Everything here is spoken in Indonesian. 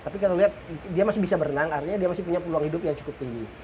tapi kalau lihat dia masih bisa berenang artinya dia masih punya peluang hidup yang cukup tinggi